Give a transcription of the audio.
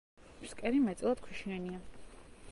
ფსკერი მეტწილად ქვიშიანია.